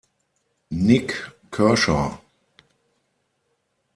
Nick Kershaw